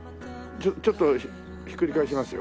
ちょっとひっくり返しますよ。